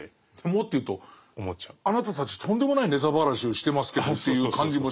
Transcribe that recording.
もっと言うとあなたたちとんでもないネタばらしをしてますけどっていう感じもしますよね。